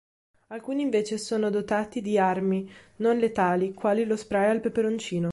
Alcuni, invece, sono dotati di armi non letali quali lo spray al peperoncino.